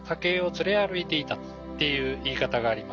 っていう言い方があります。